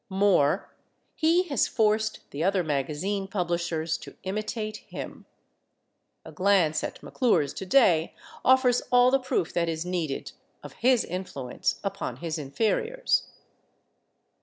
More, he has forced the other magazine publishers to imitate him. A glance at McClure's to day offers all the proof that is needed of his influence upon his inferiors.